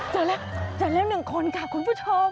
เจอแล้วเจอแล้ว๑คนค่ะคุณผู้ชม